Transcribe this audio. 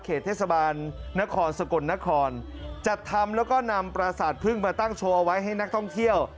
เทศบาลนครสกลนครจัดทำแล้วก็นำประสาทพึ่งมาตั้งโชว์เอาไว้ให้นักท่องเที่ยว